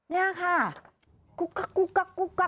เนี่ยค่ะ